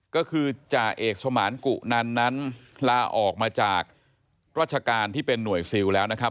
ก็คือจ่าเอกสมานกุนันนั้นลาออกมาจากราชการที่เป็นหน่วยซิลแล้วนะครับ